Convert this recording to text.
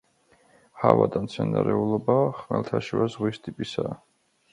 ჰავა და მცენარეულობა ხმელთაშუა ზღვის ტიპისაა.